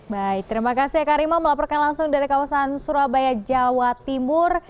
baik terima kasih eka rima melaporkan langsung dari kawasan surabaya jawa timur